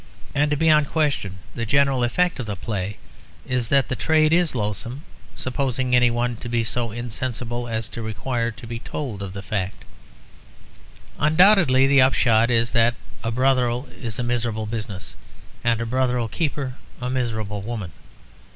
And beyond question the general effect of the play is that the trade is loathsome; supposing anyone to be so insensible as to require to be told of the fact. Undoubtedly the upshot is that a brothel is a miserable business, and a brothel keeper a miserable woman.